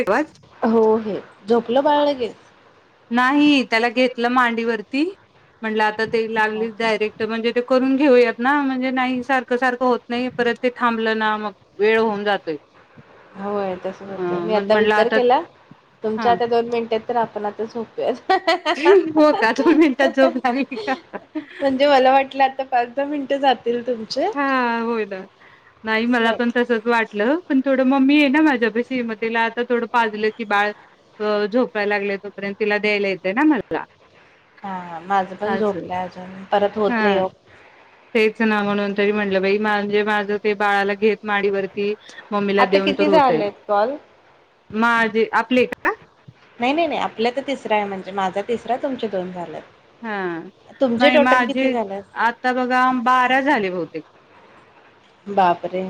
तेव्हाच हो हे झोपलं बाळलंगेच नाही त्याला घेतलं मांडीवरती म्हणलं ते ओके. लागलीडायरेक्ट म्हणजे ते करून ठेऊयात ना म्हणजे नाही सारखं सारखं होत नाही परत ते थांबलं ना मग वेळ होऊन जातोय होय तस होत आहे मी मग आता म्हटलं विचार केला हा तुमच्या आता दोन मिनटत तर आपण आता झो पल हो का दोन मिनिटात झोप लागली का म्हणजे मला वाटलं आता पाच दहा मिनटंात हा होय ना नाही असं मला पण वाटलं. तसच वाटलं प थोड मम्मी आहे ना माझ्या प श म तिला आता थोडं पाजलं की बाळ झोपायला लागलंय तोपर्यंत तिला द्यायला येतंय ना मला हा माझं पण असं झोपलं अजून परत होत नाही च ना म्हणून त म्हटलं बा म्हणजे माझ ते बाळाला घेत माडीवरती मम्मीला आता देऊन तर किती होतय झालेत कॉल? माझी आपली का आपल्या तर तिसरा आहे म्हणजे माझा तिसरा तुमचे दोन झालात हा म माझे झाल्यात? आता बघा बारा झाले बोते बापरे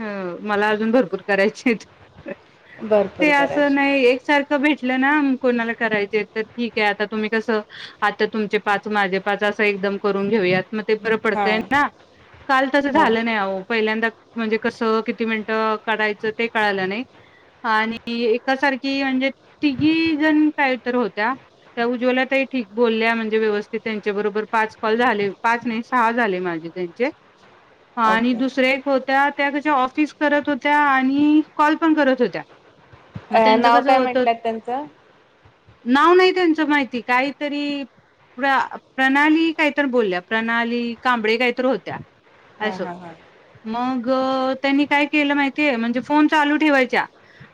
ह मला अजून भरपूर करायचे आहेत भरपूर ते असं करायचे. नाही एकसारखं भेटलं ना कोणाला कराय ठीक आहे आता तुम्ही कसं आता तुमचे पाच माझे पाच असं एकदम करून घेऊयात म ते बरं हा पडतय ना काल तसं हो झालं नाही अ पहिल्यांदा म्हणजे कसं किती मिनिटं काढायचं ते कळालं नाही आणि एकासारखी म्हणजे तिघी जण काय तर होत्या त्या उज््याला त्या ठीक बोलल्या म्हणजे व्यवस्थित त्यांच्या बरोबर पाच कॉल झाले पाच नाही सहा झाले माझे त्यांचे हा आणि ओके. दुसरे एक होत त्या क ऑफिस करत होत्या आणि कॉल पण करत होत्या मग अ त्यांचं नाव कसं काय होतं म्हटलंत त्यांचं नाव नाही त्यांचं माहिती काहीतरी प्र प्रणाली काहीत बोलल्या प्रणाली कांबळे काहीत होत्या हम् हम हम अग त्यांनी काय केलं माहितीय म्हणजे फोन चालू ठेवायच्या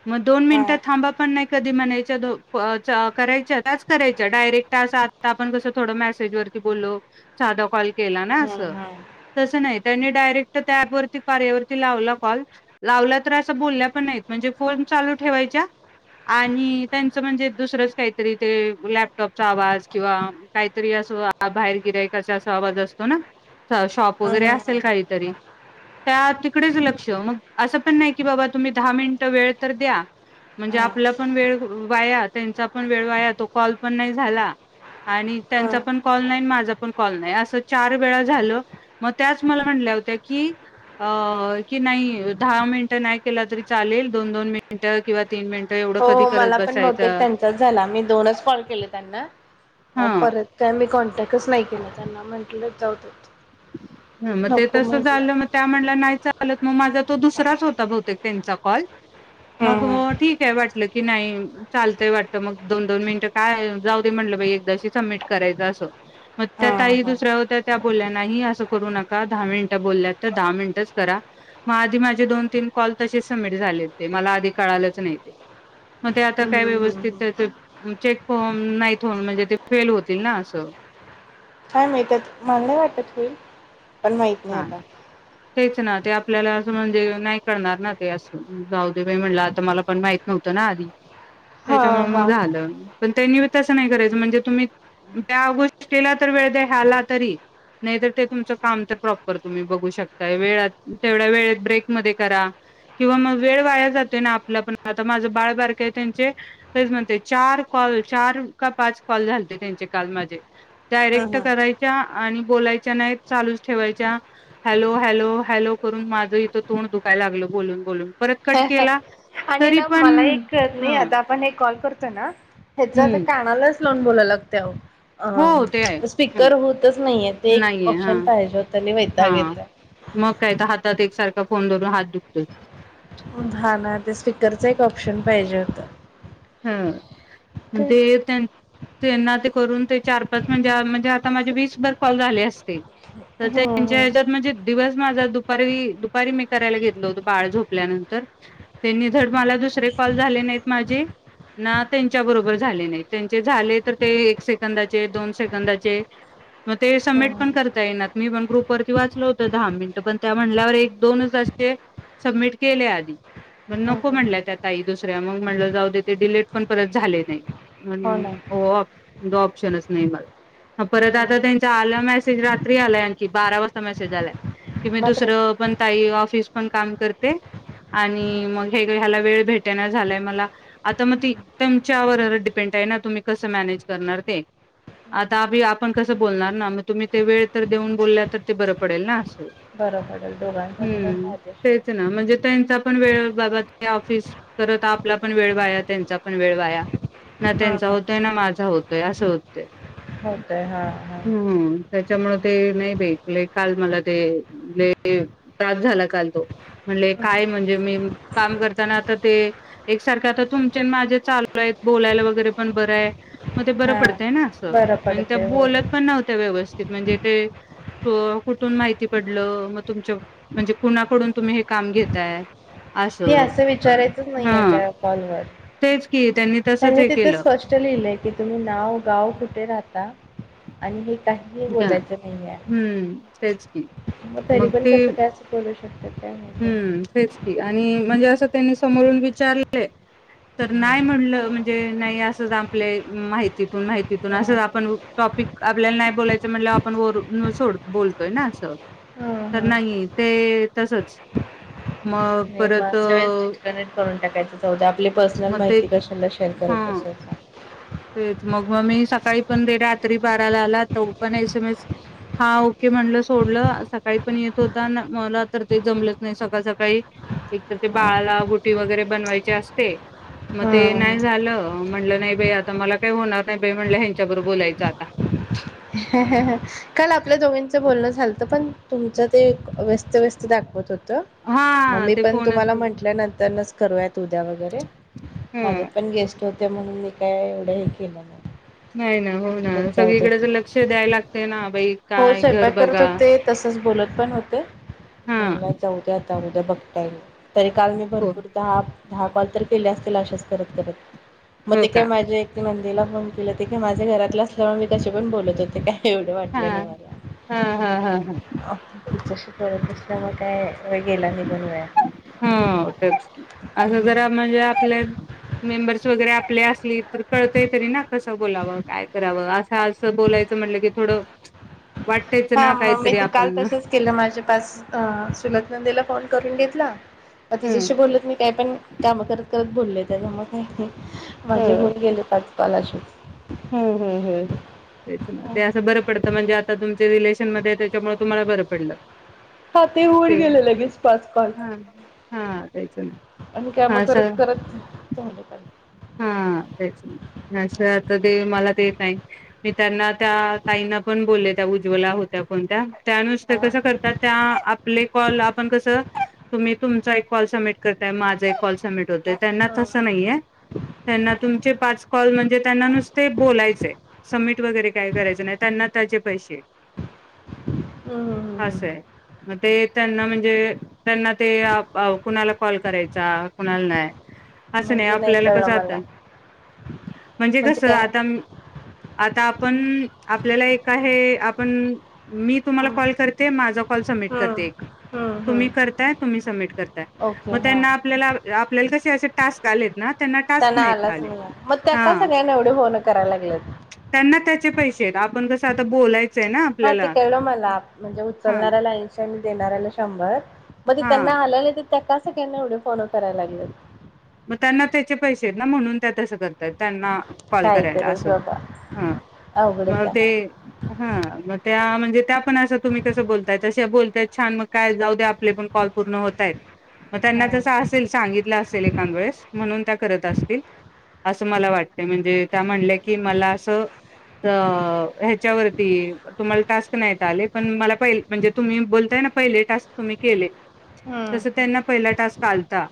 मग दोन हा मिनिटात थांबा पण नाही कधी मणा करायच्या त्याच करायच्या डायरेक्ट असं आता आपण कसं थोडं मेसेजवररती बोललो सादा कल हम्म हम्म अस नाही डायरेक्ट त्या ॲपवरती कार्यावरती लावला कॉल लावला तर असं बोलल्या पण नाहीत म्हणजे फोन चालू ठेवायच्या आणि त्यांचं म्हणजे दुसरंच काहीतरी ते लॅपटॉपचा आवाज किंवा काहीतरी अस बाहेर गिराईकाचा असा आवाज असतो ना शॉप वगैरे हम्म असेल हम्म काहीतरी त्या तिकडेच लक्ष मग असं पण नाही की बाबा तुम्ही दहा मिनिटं वेळ तर द्या म्हणजे हम्म. आपलं पण वेळ वाया त्याचा पण वेळ वाया तो काॅल पण नाही झाला आणि त्यांचा पण काॅल नाही माझा पण काॅल नाही अस चार वेळा झालं मग त्याच मला म्हणल्या होत्या की कि अ कि नाही दहा मिनिटं नाही केला तरी चालेल दोन दोन मिनट किंवा तीन मिनिटं एवढं हो कधी करत मला पण बहतेक बसायचं त्यांचाच झाला मी दोनच कॉल केले त्यांना हा परत काय मी कॉन्ट टकच नाही केलं त्यांना म्हंटलं जाऊदेत ह मग ते तसं झालं मग त्या म्हणला नाही चालत मग माझा तो दुसराच होता बहुतेक त्यांचा काॅल मग हम्म ठीक आहे वाच की नाही चालतय वाटत मग दोन दोन मिनट काय जाऊदे म्हटलं बाई एकदाची सबमिट करायच अस त्या हम्म ताई हम्म. दुसऱ्या होत्या त्या बोल्या नाही अस करू नका दहा मिनिटे बोललात तर दहा मिनिटेच करा मग आधी माझे दोन-तीन कॉल तसेच सबमिट झाले होते मला आधी कळालेच नाही ते मध्ये आता काय हम्म व्यवस्थित हम्म आहे ते चेक होऊन नाहीत होऊन म्हणजे ते फेल होतील ना असं काय मिळतात मला नाही वाटत होईल पण माहित नाही हा आता तेच ना ते आपल्याला असं म्हणजे नाही कळणार ना ते असं जाऊदेबाई म्हणलं आता मला पण माहित नव्हतं ना आधी हा त्याच्यामुळे हा मग झालं पण ते न्यू तसं नाही करायचं म्हणजे तुम्ही त्या गोष्टीला तर वेळ द्या ह्याला तरी नाहीतर ते तुमचं काम तर प्रॉपर तुम्ही बघू शकता वेळात तेवढ्या वेळेत ब्रेक मध्ये करा किंवा मग वेळ वाया जातोय ना आपला पण आता माझ बाळबारक त्यांचे तेच म्हणते चार कॉल चार का पाच कॉल झालते त्यांचे काल माझे हम्म डायरेक्ट हम्म. करायच्या आणि बोलायच्या नाही चालूच ठेवायच्या हॅलो हॅलो हॅलो करून माझं इथं तोंड दुखायला लागलं बोलून बोलून परत कट केला आणि तरी ना पण मला एक ह नाही आता आपण एक कॉल करतो तो ना ह्याच तर हम्म कानालाच लावून बोलायला लागतय अहो हो ते आहे. अ हं. स्पीकर होतच नाहीे ते एक नाहीये हा ऑप्शन पाहिजे होत लई हा वैताक येतोय तो फोन धरून हात दुखतोत. हा ना ते स्पीकरच एक ऑपशन पाहिजे होतं. हा मंग ते त्यांनं त्यांना ते करून ते चार पाच म्हणजे म्हणजे आता माझे वीसभर कॉल झाले असते तर त्यांच्या हम्म ह्याच्यात म्हणजे दिवस माझा दुपारी दुपारी मी करायला घेतल होतो बाळ झोपल्यानंतर त्यांनी धड मला दुसरे कॉल झाले नाहीत माझे ना त्यांच्या बरोबर झाले नाही त्यांचे झाले तर ते एक सेकंदाचे दोन सेकंदाचे मग ते सबमिट पण करता येनात मी पण ग्रुपवररती वाचल होत दहा मिनिट पण त्या म्हणल्यावर एक दोनच अस सबमिट केले आधी पण नको हम्म म्हणल्या त्या ताई दुसऱ्या मग म्हणलं जाऊदे ते डिलेट पण परत झाले नाही. हो अन् ना. हो दो ऑपशन नाही मला परत आता त्यांचा आलं मेसेज रात्री आला आणखी बारा वाजता मेसेज आलाय. की मी बापरे दुसरं पण ताई ऑफिस पण काम करते. आणि मग हे ह्याला वेळ भेटेना झालाय मला आता मग ती तुमच्यावर डिपेंड आहे ना तुम्ही कसं मॅनेज करणार ते आता अबी आपण कसं बोलणार ना मग तुम्ही ते वेळ तर देऊन बोलल्या तर ते बरं पडेल ना असं बरं पडेल दोघांसाठी पण हुं फायदेशीर तेच ना म्हणजे त्यांचा पण वेळ बाबा ते ऑफिस करत आपला पण वेळ वाया त्यांचा पण वेळ वाया ना त्यांचा होतय ना माझा होत असं होतय. होतय. हा हा त्याच्यामुळ ते नाई बई लय काल मला ते लय त्रास झाला काल तो म्हणल हे काय म्हणजे मी काम करताना आता ते एकसारख आता तुम चे न माझे चालू आहेत बोलायला वगैरे पण बरंय. म ते बरं हा पडतय ना असं बरं आणि त्या पडतय होय. बोलत पण नव्हत्या व्यवस्थित म्हणजे ते कुठून माहिती पडलं. मग तुमच्या म्हणजे कुणाकडून तुम्ही हे काम घेताय. हे असं विचारायचच नाही ये हा त्या कॉलवर तेच की तसच त्यांनी हे तिथे केलं स्पष्ट लिहिलंय की तुम्ही नाव गाव कुठे राहता आणि हे काहीही बोलयचें नाहीये. हम्म तेच की मग तरी पण कसं काय करू शकतात. काय माहिती? हुं तेच की आणि म्हणजे असं त्यांनी समोरून विचारलेलय तर हो. नाही म्हणलं म्हणजे नाय असं आपले माहितीत तुन माहितीतून असं हां. आपण टॉपिक आपल्याला नाय बोलायचं म्हणल्यावर आपण वरू सोड बोलतोय ना असं हां, तर हां. नाही ते तसंच नाही मग अशा वेळेस डिकनेक्ट करून टाकायचं जाऊद्या आपली पर्सनल मग ते माहिती कशा शेअर करत हा बसायचं. तेच मग म मी सकाळी पण दे रात्री बाराला आला तर पण एस एम एस हा ओके म्हणलं सोडलं सकाळी पण येत होता मला तर ते जमलंच नाही सकाळ सकाळी एकतर ते हां, बाळाला गुटी वगैरे बनवायची असते मग ते हां. नाही झालं म्हटलं नाही बाई आ मला काही होणार नाही बा म्हणलं हच्याबरोबर बोलायचं आता चालतं पण तुमचं ते व्यस्त व्यस्त दाखवत होतं हा मममी ते पण फोनच तुम्हाला म्हटल्यानंतरच करूयात उद्या वगैरे ह माझ्या पण गेस्ट ते म्हणून मी काय एवढंही केलं नाही नाही ना हो ना म्हटलं जाऊ दे सगळीकडेच लक्ष द्याय लागत ते ना बाई हो काय घर स्वयंपाक करत बघा होते. तसच बोलत पण होते. हा म्हणलं जाऊ द्या आताद्या बघ ता येईल. तरी काल मी हो भरपूर दहा दहा कॉल तर केले असतील, अशेच करत करत मग हो ते काय का माझे नंदेला फोन केला ते काय माझे घरातलं असल्यामुळे मी कशीपण बोलत होते, काय एवढे हा हा हा हा हा [unintelligible] व गेला नाही बनूया. हो तेच की असं जरा म्हणजे, आपल्या मेंबर्स वगैरे आपले असली तर कळतंय, तरी ना कसं बोलावं काय करावं, असं असं बोलायचं म्हटलं कि थोडं चं हा म मी ते काल तसंच केलं, माझ्या पास अ चुलत नंदीला काॅल करून घेतला. म हम्म तिच्याशी बोलत मी काय पण काम करत करत बोललय, त्याच्यामुळे हा हा माझे होऊन गेले पाच पालाशु [unintelligible] हम् हम् हम् तेच ना, ते असं बरं पडतं म्हणजे आता तुमच्या रिलेशन मध्ये त्याच्यामुळे तुम्हाला बरं पडलं. हा ते होऊन गेले लगेच, पाच काॅल हा हा तेच ना आणि काम हा असं करत करत झालं काल. हा तेच ना नाही तर, तर ते मला तेे ताई मी त्यांना त्या ताईना पण बोलले त्या उज्वला होत्या कोणत्या? त्यानुसत हा कसं करतात. त्या आपले काॅल आपण कस, तुम्ही तुमचा एक काॅल सबमिट करतात. माझ एक काॅल सबमिट होतोय. त्याना हा तस नाहीये, त्यांना तुमचे पाच काॅल म्हणजे त्यांना नुसत ते बोलायचंय सबमिट वगैरे काही करायचं नाही. त्यांना त्याचे पैसे हम्म हम्म असं आहे मग ते त्यांना म्हणजे त्यांना ते कुणाला कॉल करायचा कुणाला नाही. असं नाही म्हणजे आपल्याला कळलं कसं आता मला म्हणजे कसं त आता म आता आपण आपल्याला एक आहे. आपण मी तुम्हाला हम्म कॉल करते, माझा कॉल सबमिट करते. एक हम्म हम्म तुम्ही हम्म करताय. तुम्ही सबमिट कर तायं ओके मग हा त्यांना आपल्याला आपल्याला कसं ते असे टास्क आलेत ना, त्यांना आलाच नाही. मग त्या का हा सगळ्या एवढे फोन करायला लागत्यात. चे पैसे आहेत. आपण कस आ बोलाय हा ते कळल मला म्हणजे हा उचलणाऱ्याला ऐंशी आणि देणाऱ्याला शंभर म्हणजे त्यांना हा आलेला त त्या कस केल एवढ फॉलोव्हर करायला लागल मग त्यांना त्याचे पैसे येत ना म्हणुन त्या तस करतात त्यांना कॉल करायला काहीतरीच अस बाबा ह अवघडच मग ते आहे. ह मग त्या म्हणजे त्या पण अस तुम्ही कसं बोलताय त बोलताय छान मग काय जाऊ दे आपले पण कॉल पुर्ण होतायेत म त्यांना हा. हा तस असेल सांगितल असेल एखांद्या वेळेस म्हणुन त्या करत असतिल अस मला वाटतय म्हणजे त्या म्हणल्या की मला अस त्या ह्याच्यावरति तुंम्हाला टास्क नाही का आले पण मला पहील म्हणजे तुंम्ही बोलताय ना पहीले टास्क तुंम्ही केले हम्म तसा त्यांना पहीला टास्क आलथा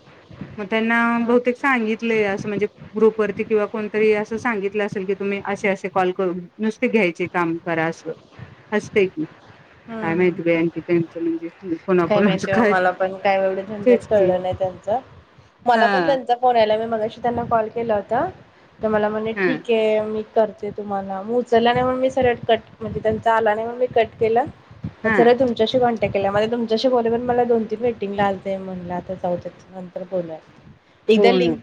त्यांना हम्म बहुतेक सांगितलंय असं म्हणजे ग्रुपवरती किंवा कोणतरी असं सांगितलं असेल की तुम्ही असे असे कॉल करून नुसते घ्यायचे काम करा अस असतय की हम्म काय हम्म. माहीती बाई आणखीन कसये ते काय नाही तेव्हा मला पण काय एवढं झंझट तेच की कळल नाही त्यांच मला हा पण त्यांचा फोन यायला मगाशी त्यांना कॉल केला होता तर मला म्हणे हा ठीके करते तुम्हाला मग उचलला नाही मी सरळ कट म्हणजे त्यांचा आला नाही मग मी कट केला हा उचलला तुमच्याशी भांडता ते केल्यामुळं तुमच तुझ्याशी बोलल्या नंतर मला दोन तीन मिटींग आल्याथा म्हणल्या आता जाऊदे नंतर बोलुयात हो ना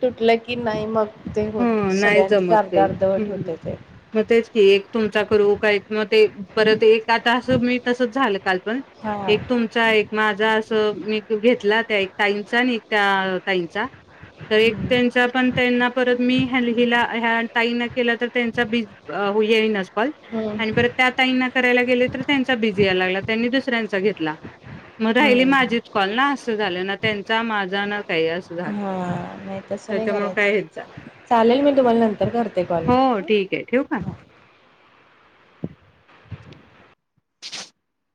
ते ह होत नाही सगळ्यांचच जमत अर्ध ते अर्धवट हम्म होतं ते. मग तेच की एक तुमचा करू का एक मग ते परत एक आता असं मी तसच झालं काल पण हा एक तुमचा एक मा ज असं मी घेतला त्या एक ताईंचा आणि एक त्या ताईंचा तर एक हम्म त्यांचा पण त्यांना परत मी हल हीला घ्या ताई न केलं तर त्यांचा बि येयीनाच पण हम्म आणि पण त्या ताईंना करायला गे तर त्यां बिझी या लागला त्यांनी दुसऱ्यांचा घेतला मग राहिली हम्म. माझीच कॉल ना तस झाल ना त्यांचा माझा ना काही अस झाल हा नाही तसं नाही करायच चालेल मी तुम्हाला नंतर करते कॉल हो हां ठीक आहे ठेवु का [unintelligible]